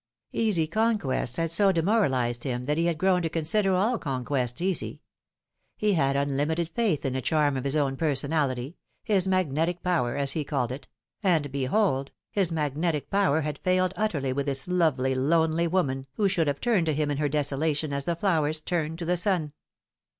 Easy conquests had so demoralised him that he had grown to consider all conquests easy. He had unlimited faith in the charm of his own per sonality his magnetic power, as he called it : and, behold ! his magnetic power had failed utterly with this lovely, lonely woman, who should have turned to him in her desolation as the flowers turn to the sun.